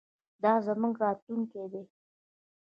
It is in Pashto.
دا زموږ راتلونکی دی.